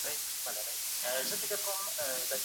دفاع د فردي ملکيت اساسي برخه ده.